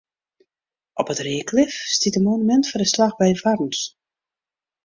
Op it Reaklif stiet in monumint foar de slach by Warns.